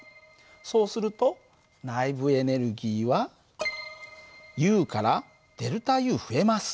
そうすると内部エネルギーはＵからΔＵ増えます。